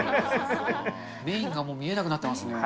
メインがもう、見えなくなってますね。